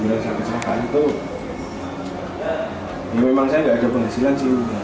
setelah kejelakaan itu ya memang saya nggak ada penghasilan sih